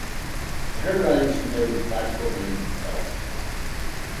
In her writings she played with classical names and spelling.